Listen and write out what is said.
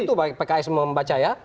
itu pks membaca ya